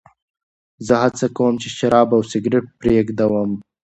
زه هڅه کوم چې شراب او سګرېټ پرېږدم.